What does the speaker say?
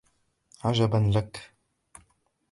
عجبا لك